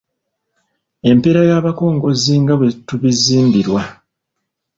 Empeera y’abakongozzi nga bwe bituzimbirwa